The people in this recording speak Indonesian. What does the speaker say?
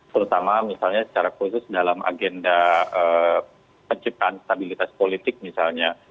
terutama misalnya secara khusus dalam agenda penciptaan stabilitas politik misalnya